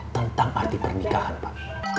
tentang arti pernikahan pak